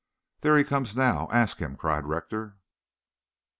"There he comes now. Ask him," cried Rector.